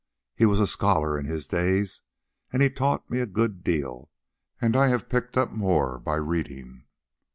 He was a scholar in his day and he has taught me a good deal, and I have picked up more by reading.